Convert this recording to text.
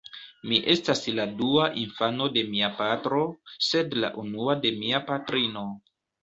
Mi estas la dua infano de mia patro, sed la unua de mia patrino.